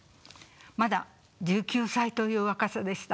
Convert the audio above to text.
まだ１９歳という若さでした。